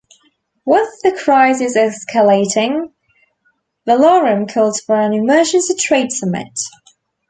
With the crisis escalating, Valorum calls for an emergency trade summit.